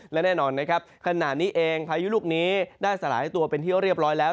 และแน่นอนนะครับขณะนี้เองพายุลูกนี้ได้สลายตัวเป็นที่เรียบร้อยแล้ว